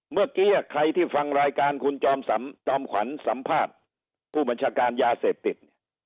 เมื่อกี้ใครที่ฟังรายการคุณจอมขวัญสัมภาษณ์ผู้บัญชาการยาเสพติดเนี่ย